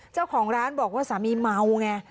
เจ้าของร้านบอกว่าสามีเมาไง